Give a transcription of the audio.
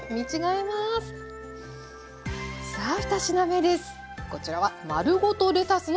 さあ２品目です。